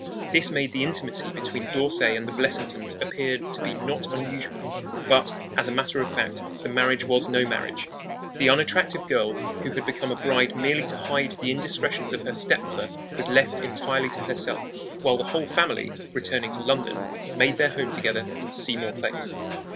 This made the intimacy between D'Orsay and the Blessingtons appear to be not unusual; but, as a matter of fact, the marriage was no marriage. The unattractive girl who had become a bride merely to hide the indiscretions of her stepmother was left entirely to herself; while the whole family, returning to London, made their home together in Seymour Place.